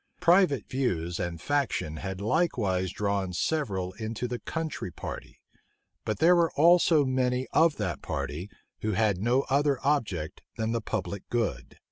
Private views and faction had likewise drawn several into the country party: but there were also many of that party, who had no other object than the public good.